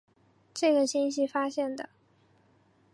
这个星系是发现的。